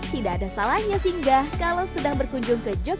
tidak ada salahnya singgah kalau sedang berkunjung ke jogja